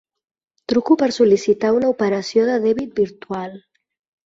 Truco per sol·licitar una operació de dèbit virtual.